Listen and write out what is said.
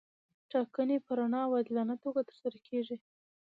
ټاکنې په رڼه او عادلانه توګه ترسره کیږي.